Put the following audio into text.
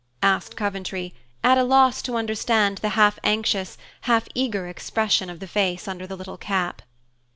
asked Coventry, at a loss to understand the half anxious, half eager expression of the face under the little cap.